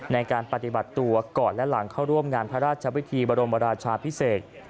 ในการปฏิบัติตัวก่อนและหลังเข้าร่วมงานพระราชวิธีบรมราชาพิเศษ